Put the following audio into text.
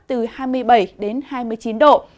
từ hai mươi bảy hai mươi chín độ